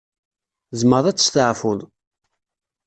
Tzemreḍ ad testeɛfuḍ.